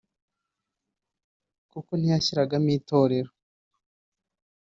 kuko ntiyashyiragamo itorero